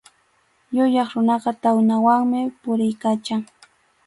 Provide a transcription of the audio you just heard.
Yuyaq runaqa tawnawanmi puriykachan.